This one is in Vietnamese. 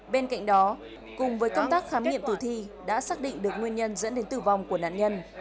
bên cạnh đó cùng với công tác khám nghiệm tử thi đã xác định được nguyên nhân dẫn đến tử vong của nạn nhân